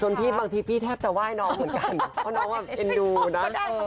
พี่บางทีพี่แทบจะไหว้น้องเหมือนกันเพราะน้องเอ็นดูนะ